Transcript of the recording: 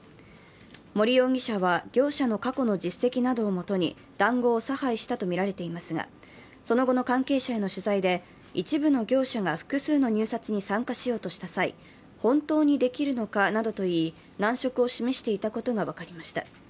森容疑者は業者の過去の実績などをもとに談合を差配したとみられていますが、その後の関係者への取材で一部の業者が複数の入札に参加しようとした際、本当にできるのかなどと言い、難色を示していたことが分かりました。